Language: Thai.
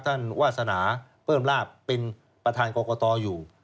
ท่านวาสนาเปิ้ลลาบเป็นประธานกกตอยู่